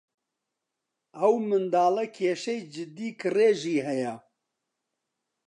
ئەو مناڵە کێشەی جددی کڕێژی ھەیە.